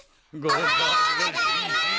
おはようございます！